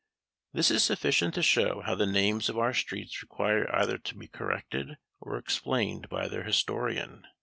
This is sufficient to show how the names of our streets require either to be corrected, or explained by their historian.